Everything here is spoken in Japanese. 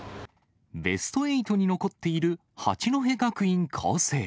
ベスト８に残っている八戸学院光星。